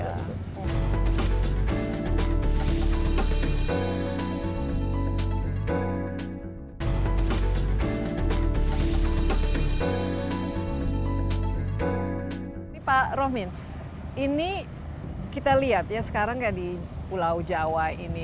tapi pak rohmin ini kita lihat ya sekarang kayak di pulau jawa ini